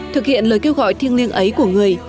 thực hiện lời kêu gọi thiêng liêng ấy của người